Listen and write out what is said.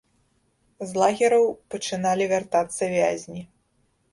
З лагераў пачыналі вяртацца вязні.